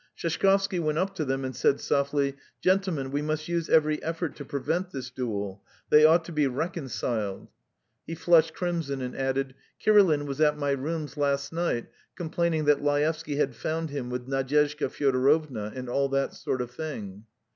Sheshkovsky went up to them and said softly: "Gentlemen, we must use every effort to prevent this duel; they ought to be reconciled." He flushed crimson and added: "Kirilin was at my rooms last night complaining that Laevsky had found him with Nadyezhda Fyodorovna, and all that sort of thing."